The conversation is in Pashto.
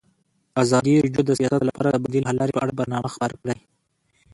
ازادي راډیو د سیاست لپاره د بدیل حل لارې په اړه برنامه خپاره کړې.